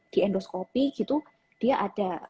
diendoskopi dia ada